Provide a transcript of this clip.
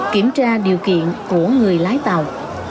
kiểm tra điều kiện của người lái tàu